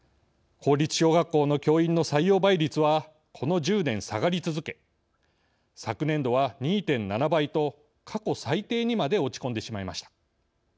公立小学校の教員の採用倍率はこの１０年、下がり続け昨年度は２．７倍と過去最低にまで落ち込んでしまいました。